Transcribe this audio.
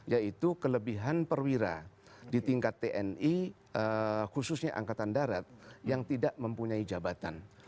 yaitu kelebihan perwira di tingkat tni khususnya angkatan darat yang tidak mempunyai jabatan